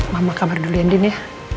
mama kamar dulu yandin ya